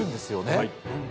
はい。